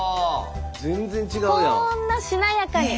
こんなしなやかに！